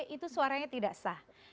itu suaranya tidak sah